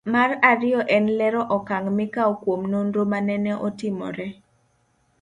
Mar ariyo en lero okang' mikawo kuom nonro manene otimore